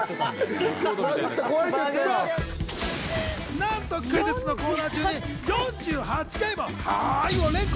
なんとクイズッスのコーナー中に４８回も「はぁい！」を連呼。